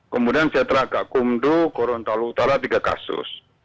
kemudian sentra kak gundu korontalo utara tiga kasus